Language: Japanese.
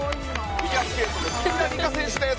フィギュアスケートの紀平梨花選手です。